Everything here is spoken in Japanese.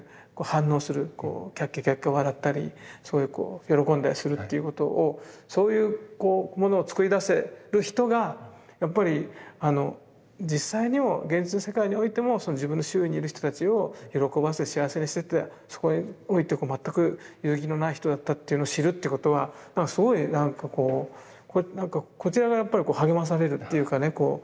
こうきゃっきゃきゃっきゃ笑ったりそういうこう喜んだりするっていうことをそういうものを作り出せる人がやっぱり実際にも現実世界においてもその自分の周囲にいる人たちを喜ばせ幸せにしてってそこにおいても全く揺るぎのない人だったっていうのを知るってことはすごい何かこうこちらがやっぱり励まされるっていうかね